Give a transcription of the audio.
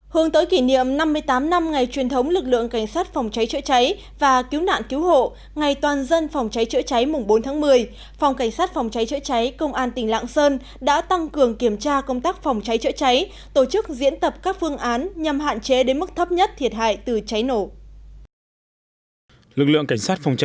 hướng tới kỷ niệm năm mươi tám năm ngày truyền thống lực lượng cảnh sát phòng cháy chữa cháy và cứu nạn cứu hộ ngày toàn dân phòng cháy chữa cháy mùng bốn tháng một mươi phòng cảnh sát phòng cháy chữa cháy công an tỉnh lạng sơn đã tăng cường kiểm tra công tác phòng cháy chữa cháy tổ chức diễn tập các phương án nhằm hạn chế đến mức thấp nhất thiệt hại từ cháy nổ